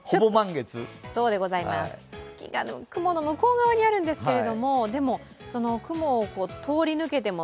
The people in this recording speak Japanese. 月が雲の向こう側にあるんですけど、雲を通り抜けても。